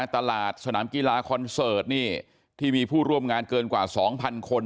สนามกีฬาคอนเสิร์ตที่มีผู้ร่วมงานเกินกว่า๒๐๐คน